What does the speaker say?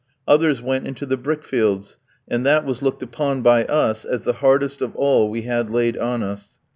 Others went into the brick fields, and that was looked upon by us as the hardest of all we had laid on us.